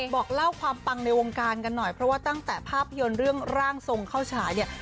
บอกเล่าความปังในวงการกันหน่อยเพราะว่าตั้งแต่ภาพยนตร์เรื่องร่างทรงเข้าฉายเนี่ย